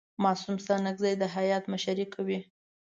معصوم ستانکزی د هیات مشري کوي.